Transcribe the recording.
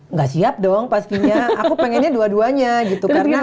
nggak siap dong pastinya aku pengennya dua duanya gitu